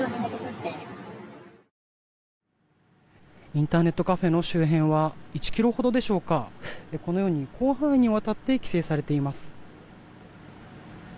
インターネットカフェの周辺は１ｋｍほどでしょうかこのように広範囲にわたって規制されています。